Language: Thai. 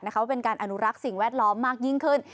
เขาเป็นการอนุรักษ์สิ่งแวดล้อมมากยิ่งขึ้น